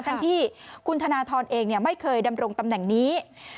ทั้งที่คุณธนทรเองไม่เคยดำรงตำแหน่งนี้